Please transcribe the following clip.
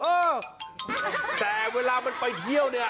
เออแต่เวลามันไปเที่ยวเนี่ย